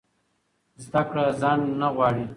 زده کړه ځنډ نه غواړي.